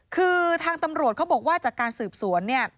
คือทางตำรวจเขาบอกว่าจากการสืบสวนเนี่ย